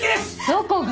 どこが！？